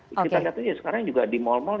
kita lihat itu ya sekarang juga di mal mal